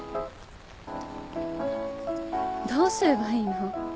どうすればいいの？